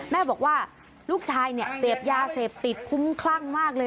แม่บอกว่าลูกชายเนี่ยเสพยาเสพติดคุ้มคลั่งมากเลย